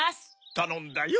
たのんだよ。